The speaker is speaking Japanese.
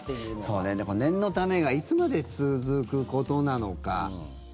そうね、でも念のためがいつまで続くことなのか。